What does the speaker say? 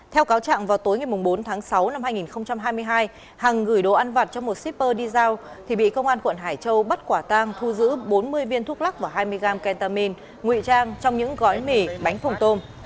theo cáo trạng vào tối ngày bốn tháng sáu năm hai nghìn hai mươi hai hằng gửi đồ ăn vặt cho một shipper đi giao thì bị công an quận hải châu bắt quả tang thu giữ bốn mươi viên thuốc lắc và hai mươi gram kentamine nguy trang trong những gói mì bánh phùng tôm